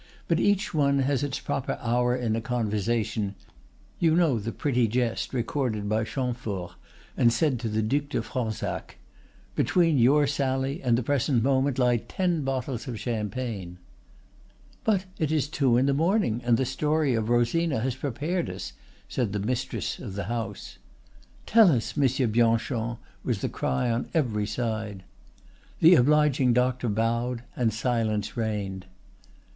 But each one has its proper hour in a conversation—you know the pretty jest recorded by Chamfort, and said to the Duc de Fronsac: 'Between your sally and the present moment lie ten bottles of champagne.'" "But it is two in the morning, and the story of Rosina has prepared us," said the mistress of the house. "Tell us, Monsieur Bianchon!" was the cry on every side. The obliging doctor bowed, and silence reigned.